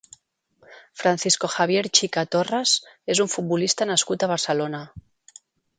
Francisco Javier Chica Torres és un futbolista nascut a Barcelona.